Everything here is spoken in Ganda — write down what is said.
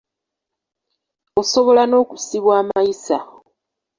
Osobola n’okusibwa amayisa.